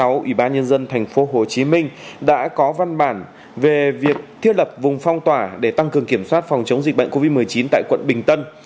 trước đó ủy ban nhân dân tp hcm đã có văn bản về việc thiết lập vùng phong tỏa để tăng cường kiểm soát phòng chống dịch bệnh covid một mươi chín tại quận bình tân